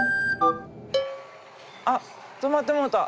あっ止まってもうた。